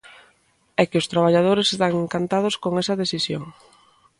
¡É que os traballadores están encantados con esa decisión!